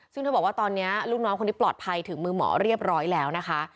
ซึ่งเธอบอกว่าตอนนี้ลูกน้องคนนี้ปลอดภัยถึงมือหมอเรียบร้อยแล้วนะคะ